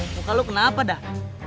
luka lu kenapa dah